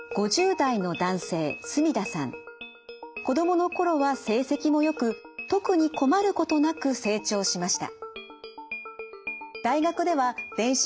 子どもの頃は成績もよく特に困ることなく成長しました。